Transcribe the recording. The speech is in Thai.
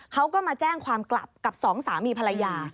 เขาก็มาแจ้งความกลับกับสองสามีภรรยา